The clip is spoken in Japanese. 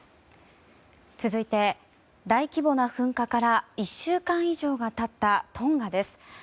続いて、大規模な噴火から１週間以上が経ったトンガです。